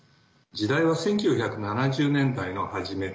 時代は１９７０年代の初め。